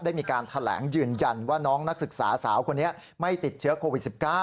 ได้มีการแถลงยืนยันว่าน้องนักศึกษาสาวคนนี้ไม่ติดเชื้อโควิด๑๙